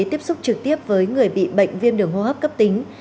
tiếp xúc trực tiếp với người bị bệnh viêm đường hô hấp cấp tính